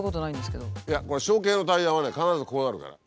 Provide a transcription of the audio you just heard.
いやこれ小径のタイヤはね必ずこうなるからね